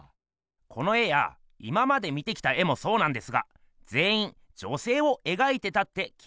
この絵や今まで見てきた絵もそうなんですがぜんいん女せいをえがいてたって気がついてました？